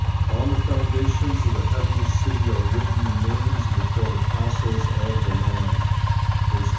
On the foundations of the heavenly city are written the names of the twelve apostles of the Lamb (xxi 14).